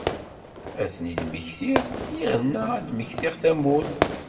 Ad ten-id-mmektiɣ, yerna ad d-mmektiɣ tamurt.